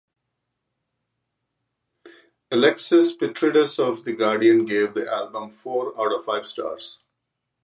Alexis Petridis of "The Guardian" gave the album four out of five stars.